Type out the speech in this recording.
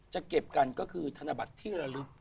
จะเก็บกันก็คือธนบัตรที่ระลึก